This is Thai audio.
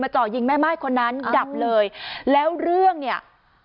จ่อยิงแม่ม่ายคนนั้นดับเลยแล้วเรื่องเนี่ย